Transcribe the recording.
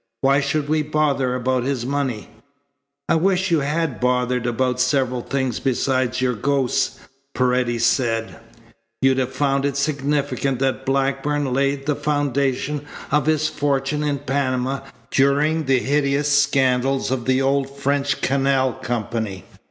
"Why should we bother about his money?" "I wish you had bothered about several things besides your ghosts," Paredes said. "You'd have found it significant that Blackburn laid the foundation of his fortune in Panama during the hideous scandals of the old French canal company.